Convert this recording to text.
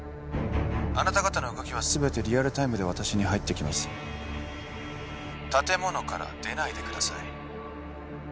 あなた方の動きは全てリアルタイムで私に入ってきます建物から出ないでください